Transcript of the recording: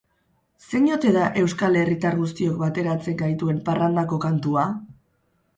Zein ote da euskal herritar guztiok bateratzen gaituen parrandako kantua?